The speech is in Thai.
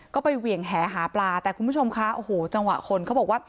ก็ไปเหวี่ยงแหหาปลาแต่คุณผู้ชมคะโอ้โหจังหวะคนเขาบอกว่า